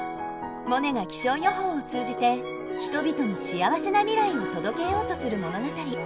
モネが気象予報を通じて人々に幸せな未来を届けようとする物語。